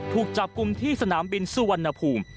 ถูกจับกลุ่มที่สนามบินสุวรรณภูมิ